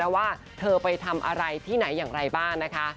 ว่าเธอไปทำอะไรที่ไหนอย่างไรบ้างนะคะ